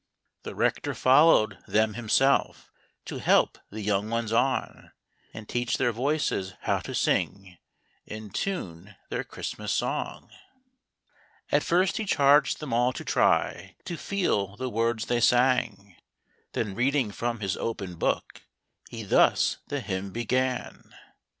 193 The Rector followed them himself, To help the young ones on, And teach their voices how to sing, In tune, their Christmas song. THE ROBIN'S CHRISTMAS EVE. And first he charged them all to try To feel the words they sang; Then reading from his open book, He thus the hymn began.